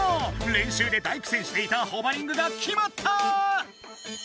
練習で大苦戦していたホバリングがきまった！